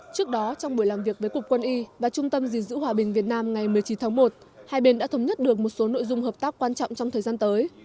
trước đó trong buổi làm việc với cục quân y và trung tâm gìn giữ hòa bình việt nam ngày một mươi chín tháng một hai bên đã thống nhất được một số nội dung hợp tác quan trọng trong thời gian tới